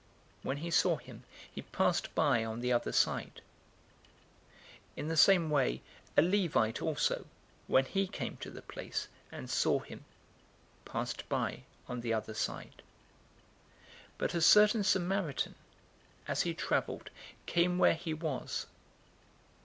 When he saw him, he passed by on the other side. 010:032 In the same way a Levite also, when he came to the place, and saw him, passed by on the other side. 010:033 But a certain Samaritan, as he traveled, came where he was.